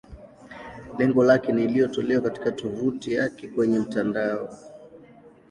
Lengo lake ni iliyotolewa katika tovuti yake kwenye mtandao.